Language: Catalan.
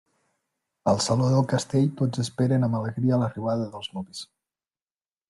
Al saló del castell tots esperen amb alegria l'arribada dels nuvis.